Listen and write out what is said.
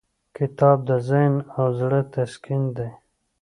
کتاب د ذهن او زړه تسکین دی.